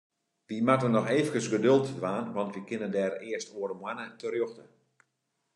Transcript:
Wy moatte noch eefkes geduld dwaan, want we kinne dêr earst oare moanne terjochte.